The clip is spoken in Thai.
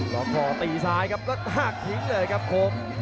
ล็อกคอตีซ้ายครับแล้วหักทิ้งเลยครับโค้ง